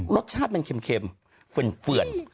รสชาติมันเค็มเฟื่อน